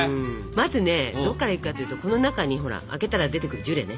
まずねどこからいくかっていうとこの中にほら開けたら出てくるジュレね。